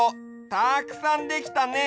たくさんできたね！